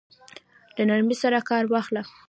له نرمۍ څخه كار واخله!